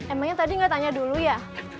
emangnya tadi nggak tanya dulu ya